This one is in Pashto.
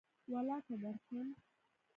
ولاکه درشم